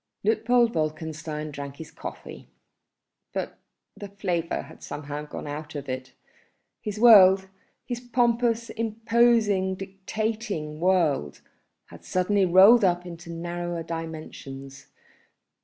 Luitpold Wolkenstein drank his coffee, but the flavour had somehow gone out of it. His world, his pompous, imposing, dictating world, had suddenly rolled up into narrower dimensions.